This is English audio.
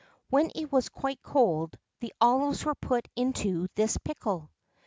When it was quite cold, the olives were put into this pickle.